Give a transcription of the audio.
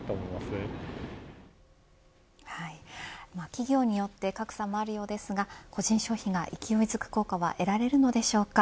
企業によって格差もあるようですが個人消費が勢いづく効果は得られるのでしょうか。